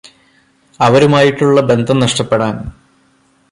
അവരുമായിട്ടുള്ള ബന്ധം നഷ്ടപ്പെടാന്